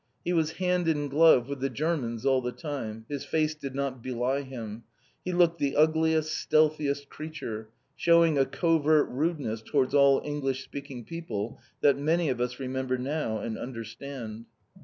He was hand in glove with the Germans all the time, his face did not belie him; he looked the ugliest, stealthiest creature, shewing a covert rudeness towards all English speaking people, that many of us remember now and understand.